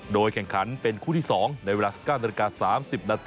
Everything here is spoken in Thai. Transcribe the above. โดยแข่งขันเป็นคู่ที่๒ในเวลา๑๙๓๐น